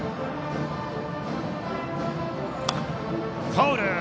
ファウル。